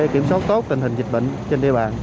kiểm soát tốt tình hình dịch bệnh trên địa bàn